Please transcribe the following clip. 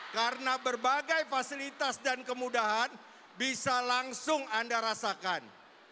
karena berbagai fasilitas dan kemudahan bisa langsung anda rasakan